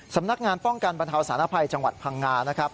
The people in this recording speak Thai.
สำนักงานป้องกันบรรเทาสารภัยจังหวัดพังงานะครับ